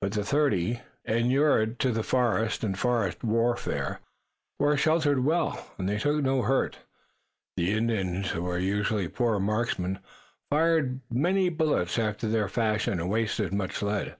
But the thirty, inured to the forest and forest warfare, were sheltered well, and they took no hurt. The Indians who were usually poor marksmen, fired many bullets after their fashion and wasted much lead.